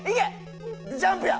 ジャンプや！